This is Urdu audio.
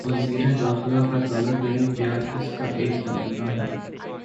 وزیر داخلہ کا تازہ ترین بیان اس کا ایک نمونہ ہے۔